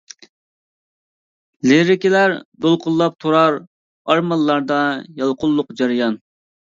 لىرىكىلار دولقۇنلاپ تۇرار، ئارمانلاردا يالقۇنلۇق جەريان.